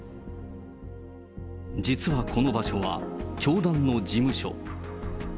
実はこの場所は、教団の事務所。